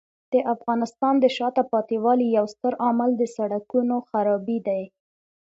د افغانستان د شاته پاتې والي یو ستر عامل د سړکونو خرابۍ دی.